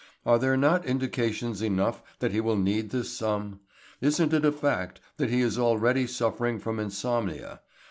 Are there not indications enough that he will need this sum? Isn't it a fact that he is already suffering from insomnia?